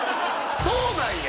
そうなんや。